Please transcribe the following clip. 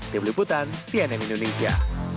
di peliputan cnn indonesia